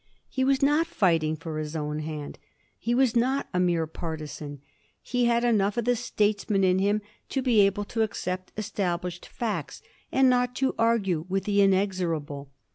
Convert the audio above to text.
He was not fighting for his own hand. He was not a mere partisan. He had enough of the statesman in him to be able to ac cept established facts, and not to argue with the inexora ble.